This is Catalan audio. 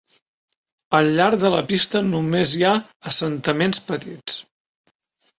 Al llarg de la pista només hi ha assentaments petits.